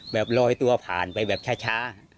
ลอยตัวผ่านไปแบบช้า